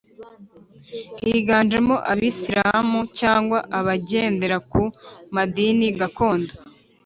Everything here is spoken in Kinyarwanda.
higanjemo abasiramu cyangwa abagendera ku madini gakondo